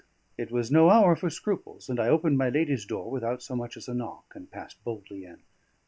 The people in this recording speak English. It was no hour for scruples; and I opened my lady's door without so much as a knock, and passed boldly in.